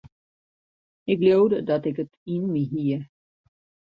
Ik leaude dat ik it yn my hie.